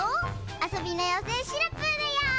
あそびのようせいシナプーだよ！